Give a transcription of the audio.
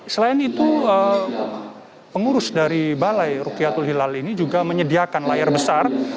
selain itu pengurus dari balai rukiatul hilal ini juga menyediakan layar besar